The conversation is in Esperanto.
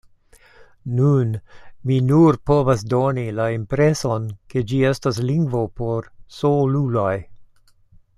Nun, mi nur povas doni la impreson ke ĝi estas lingvo por soluloj.